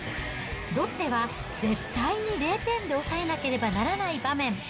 ロッテは絶対に０点で抑えなければならない場面。